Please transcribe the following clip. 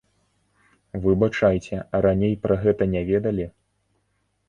Выбачайце, а раней пра гэта не ведалі?